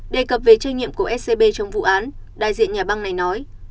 đề cập về trách nhiệm của scb trong vụ án đại diện nhà băng này nói